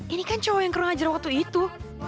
ini kan cowok yang keren ngajar waktu itu